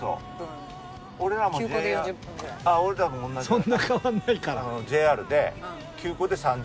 そんな変わんないから！